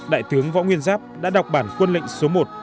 đại tướng võ nguyên giáp đã đọc bản quân lệnh số một